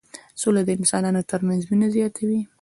سوله د انسانانو ترمنځ مينه زياتوي.